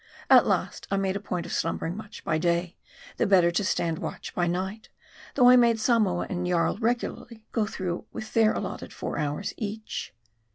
At last I made a point of slumbering much by day, the better to stand watch by night ; though I made Samoa and Jarl regularly go through with their allotted four hours each.